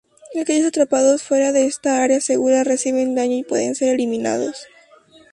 Aquellos atrapados fuera de esta "área segura" reciben daño y pueden ser eliminados.